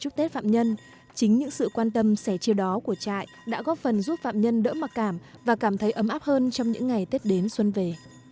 chúc tết phạm nhân chính những sự quan tâm sẻ chia đó của trại đã góp phần giúp phạm nhân đỡ mặc cảm và cảm thấy ấm áp hơn trong những ngày tết đến xuân về